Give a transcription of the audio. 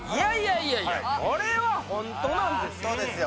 いやいやこれはホントなんですとホントですよ